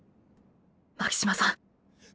巻島さん。